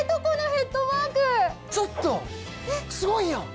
すごいやん！